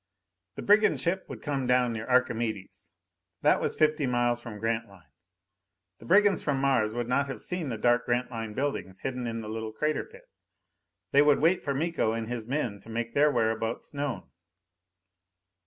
The brigand ship would come down near Archimedes. That was fifty miles from Grantline. The brigands from Mars would not have seen the dark Grantline buildings hidden in the little crater pit. They would wait for Miko and his men to make their whereabouts known.